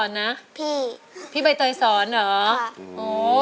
เป็นคำที่เกร็ดที่เก็บไว้นานพอดู